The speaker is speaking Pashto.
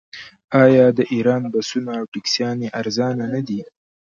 آیا د ایران بسونه او ټکسیانې ارزانه نه دي؟